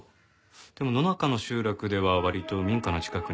でも野中の集落では割と民家の近くに立ててましたよね？